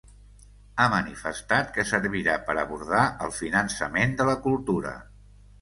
Ha manifestat que servirà per abordar el finançament de la cultura.